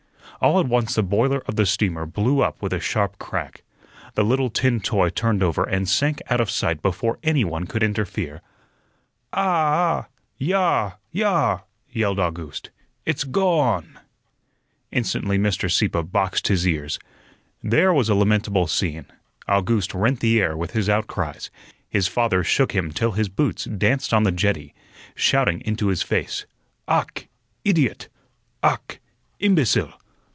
All at once the boiler of the steamer blew up with a sharp crack. The little tin toy turned over and sank out of sight before any one could interfere. "Ah h! Yah! Yah!" yelled August. "It's go one!" Instantly Mr. Sieppe boxed his ears. There was a lamentable scene. August rent the air with his outcries; his father shook him till his boots danced on the jetty, shouting into his face: "Ach, idiot! Ach, imbecile!